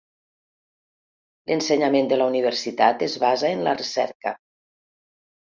L'ensenyament de la universitat es basa en la recerca.